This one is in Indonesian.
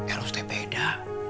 eros teh beda